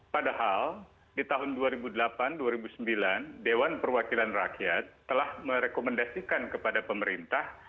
padahal di tahun dua ribu delapan dua ribu sembilan dewan perwakilan rakyat telah merekomendasikan kepada pemerintah